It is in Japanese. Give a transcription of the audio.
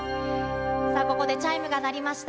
ここでチャイムが鳴りました。